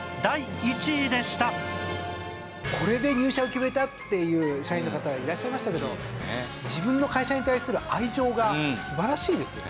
これで入社を決めたっていう社員の方がいらっしゃいましたけど自分の会社に対する愛情が素晴らしいですよね。